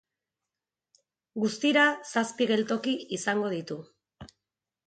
Guztira zazpi geltoki izango ditu.